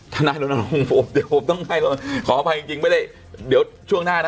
ทนายรณรงค์ผมเดี๋ยวผมต้องให้ขออภัยจริงไม่ได้เดี๋ยวช่วงหน้านะ